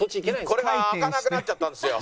これが開かなくなっちゃったんですよ。